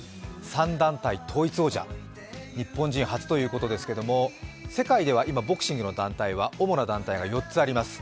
３団体統一王者、日本人初ということですけれども、世界では今、ボクシングの団体は、主な団体が４つあります。